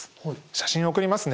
写真を送りますね。